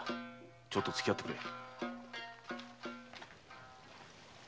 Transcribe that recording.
ちょっとつきあってくれ。